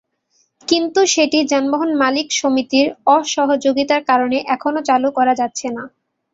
কিন্তু সেটি যানবাহন মালিক সমিতির অসহযোগিতার কারণে এখনো চালু করা যাচ্ছে না।